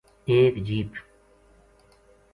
ایک جیپ